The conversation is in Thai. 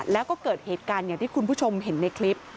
แล้วก็เกิดเหตุการณ์อย่างที่คุณผู้ชมเห็นในคลิป